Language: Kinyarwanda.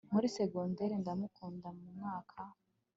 muri secondaire ndamukunda mu mwaka